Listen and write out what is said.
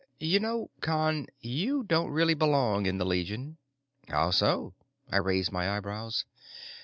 "You know, Con, you don't really belong in the Legion." "How so?" I raised my eyebrows.